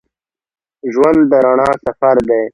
ژوند د رڼا سفر دی.